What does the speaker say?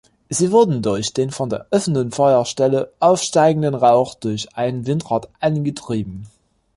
Sie wurden durch den von der offenen Feuerstelle aufsteigenden Rauch durch ein Windrad angetrieben.